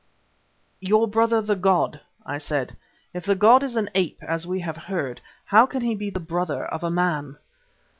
"Your brother the god?" I said. "If the god is an ape as we have heard, how can he be the brother of a man?"